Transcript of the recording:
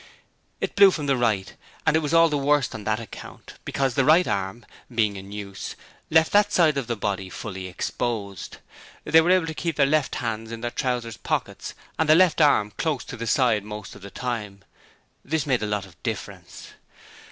It blew from the right; and it was all the worse on that account, because the right arm, being in use, left that side of the body fully exposed. They were able to keep their left hands in their trousers pockets and the left arm close to the side most of the time. This made a lot of difference.